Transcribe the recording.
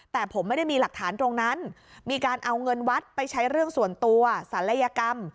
แต่ผมไม่ได้มีหลักฐานตรงนั้นมีการเอาเงินวัดไปใช้เรื่องส่วนตัวศัลยกรรม